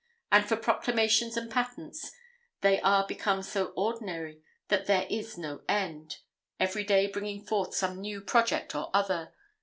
And for proclamations and patents, they are become so ordinary that there is no end; every day bringing forth some new project or other.